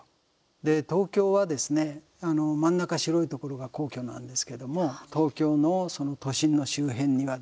で、東京はですね、真ん中白いところが皇居なんですけども東京の都心の周辺にはですね